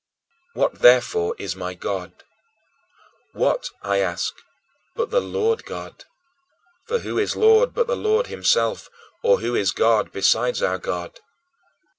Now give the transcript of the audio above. What, therefore, is my God? What, I ask, but the Lord God? "For who is Lord but the Lord himself, or who is God besides our God?"